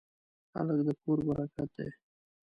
هلک د کور برکت دی.